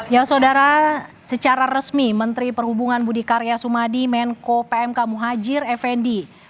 ya saudara secara resmi menteri perhubungan budi karya sumadi menko pmk muhajir effendi